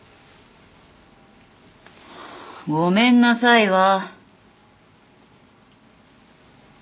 ごめんなさいは？